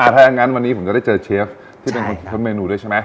ถ้าอย่างนั้นวันนี้ผมจะได้เจอเชฟที่เป็นคนคิดค้นเมนูด้วยใช่ไหม